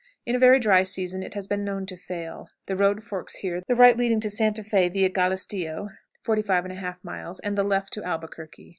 In very dry seasons it has been known to fail. The road forks here, the right leading to Santa Fé via Galistio (45 1/2 miles), and the left to Albuquerque.